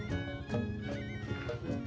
terima kasih pak